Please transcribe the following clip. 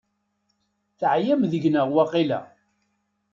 Teɛyam deg-neɣ waqila?